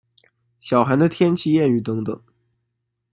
小寒的天气谚语等等。